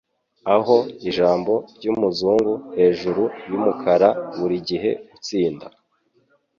Aho ijambo ryumuzungu hejuru yumukara burigihe gutsinda